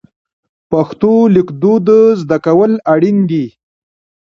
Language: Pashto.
پښتو لیکدود زده کول اړین دي.